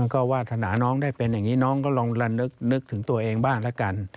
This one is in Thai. ก็วาสนาน้องได้เป็นอย่างนี้น้องก็ลองละนึกถึงตัวเองบ้างละกัน